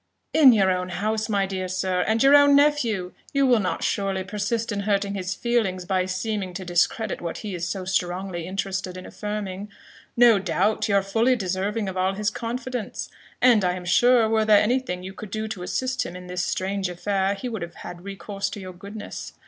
"In your own house, my dear sir and your own nephew you will not surely persist in hurting his feelings by seeming to discredit what he is so strongly interested in affirming. No doubt, you are fully deserving of all his confidence, and I am sure, were there anything you could do to assist him in this strange affair, he would have recourse to your goodness.